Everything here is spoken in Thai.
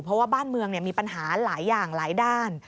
เพราะว่าบ้านเมืองมีปัญหาหลายอย่างหลายด้าน